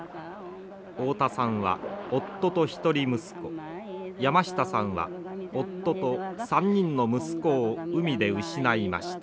太田さんは夫と一人息子山下さんは夫と３人の息子を海で失いました。